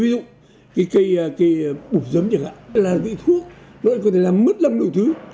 ví dụ cái cây bụt giấm chẳng hạn là cái thuốc nó cũng có thể làm mất lâm đồ thứ